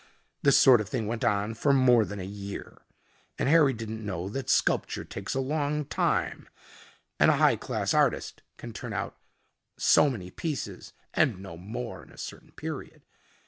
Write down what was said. This sort of thing went on for more than a year, and Harry didn't know that sculpture takes a long time and a high class artist can turn out so many pieces and no more in a certain period.